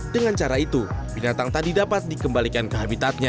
dengan cara itu binatang tadi dapat dikembalikan ke habitatnya